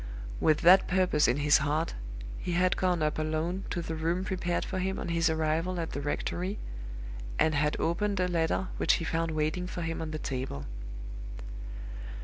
With that purpose in his heart, he had gone up alone to the room prepared for him on his arrival at the rectory, and had opened a letter which he found waiting for him on the table.